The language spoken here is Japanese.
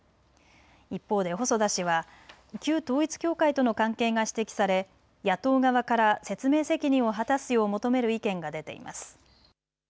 一方で細田氏は旧統一教会との関係が指摘され野党側から説明責任を果たすよう求める意見が出ています。